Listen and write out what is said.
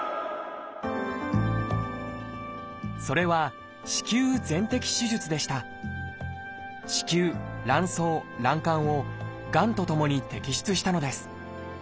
それは子宮卵巣卵管をがんと共に摘出したのです。